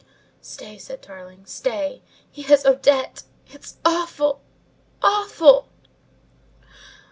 "Stay," said Tarling. "Stay. He has Odette! It's awful, awful!"